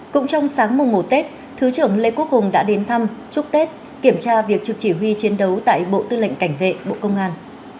cũng trong sáng mùng một tết thứ trưởng lê quốc hùng đã đến thăm chúc tết kiểm tra việc trực chỉ huy chiến đấu tại bộ tư lệnh cảnh vệ bộ công an